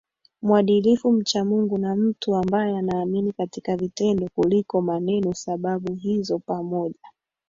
mwadilifu mcha Mungu na mtu ambaye anaamini katika vitendo kuliko manenoSababu hizo pamoja